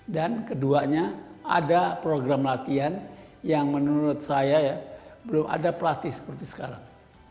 dan keduanya ada program latihan yang menurut saya belum ada pelatih seperti sekarang